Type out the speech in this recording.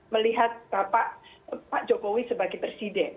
melihat bapak pak jokowi sebagai presiden